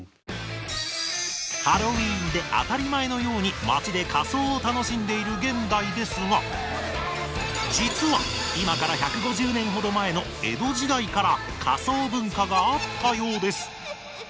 ハロウィーンで当たり前のように街で仮装を楽しんでいる現代ですが実は今から１５０年ほど前の江戸時代から仮装文化があったようです。